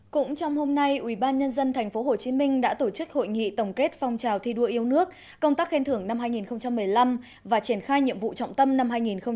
cũng trong hôm nay ubnd tp hcm đã tổ chức hội nghị tổng kết phong trào thi đua yêu nước công tác khen thưởng năm hai nghìn một mươi năm và triển khai nhiệm vụ trọng tâm năm hai nghìn một mươi chín